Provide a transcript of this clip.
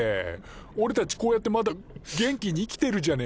おれたちこうやってまだ元気に生きてるじゃねえかよ。